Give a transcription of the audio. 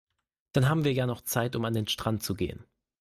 Dann haben wir ja noch Zeit, um an den Strand zu gehen.